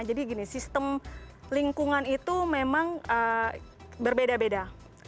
jadi gini sistem lingkungan itu memang berbeda beda